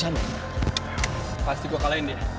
bang harus kuat